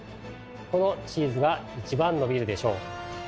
このチーズがいちばん伸びるでしょう。